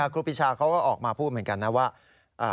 ครูปีชาเขาก็ออกมาพูดเหมือนกันนะว่า